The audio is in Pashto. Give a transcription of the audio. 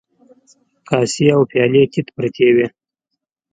کاسې او پيالې تيت پرتې وې.